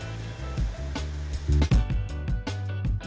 batik motif mega mendung